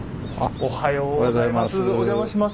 おはようございます。